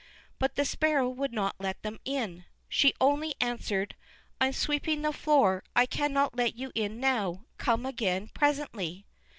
But the Sparrow would not let them in; she only answered: "I'm sweeping the floor; I cannot let you in now; come again presently."